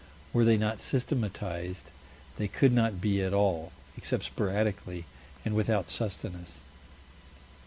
Were they not systematized, they could not be at all, except sporadically and without sustenance.